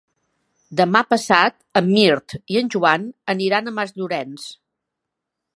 Demà passat en Mirt i en Joan aniran a Masllorenç.